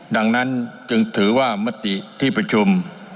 ดังนั้นจึงถือว่ามติที่ประชุม